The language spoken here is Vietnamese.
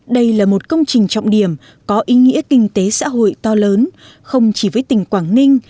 đây là một công trình trọng điểm có ý nghĩa kinh tế xã hội to lớn không chỉ với tỉnh quảng ninh